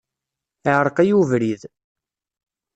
Iεreq-iyi ubrid.